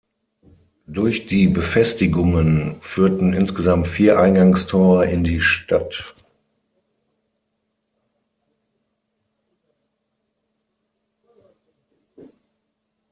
Durch die Befestigungen führten insgesamt vier Eingangstore in die Stadt.